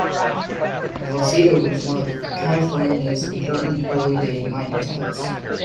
Vallecito was one of California's important early-day mining towns.